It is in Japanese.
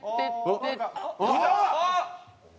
あっ！